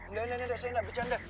nggak saya gak bercanda